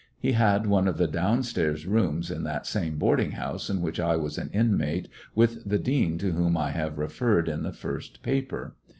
He had one of the down stairs rooms in that same boarding house in which I was an inmate with the dean to whom I have re ferred in the first paper.